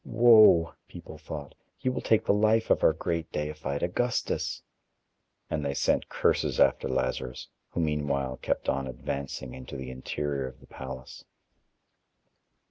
"Woe," people thought, "he will take the life of our great, deified Augustus," and they sent curses after Lazarus, who meanwhile kept on advancing into the interior of the palace.